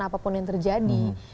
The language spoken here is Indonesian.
apapun yang terjadi